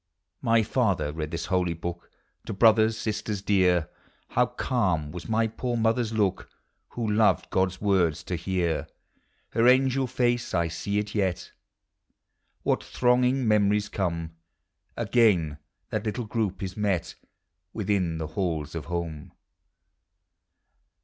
My father read this holy book To brothers, sisters, dear; llow calm was my poor mother's look, Who loved God's word to hear! Her angel face, I see it yet! What thronging memories conic r Digitized by Google YOUTH. 220 Again that little group is met Within the halls of home!